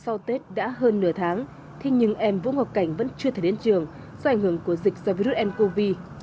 sau tết đã hơn nửa tháng thế nhưng em vũ ngọc cảnh vẫn chưa thể đến trường do ảnh hưởng của dịch do virus ncov